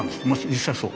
実際そう。